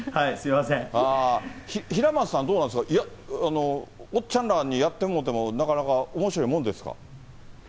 平松さん、どうなんですか、おっちゃんらにやってもうても、なかなかおもしろいもんですか？